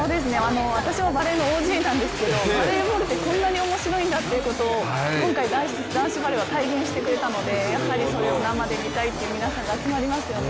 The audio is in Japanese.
私もバレーのＯＧなんですけどバレーボールってこんなに面白いんだってことを今回、男子バレーは体現してくれたのでやはりそれを生で見たいっていう皆さんが集まりますよね。